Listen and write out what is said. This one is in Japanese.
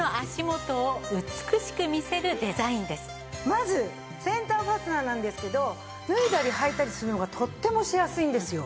まずセンターファスナーなんですけど脱いだり履いたりするのがとってもしやすいんですよ。